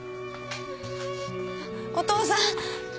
お父さん。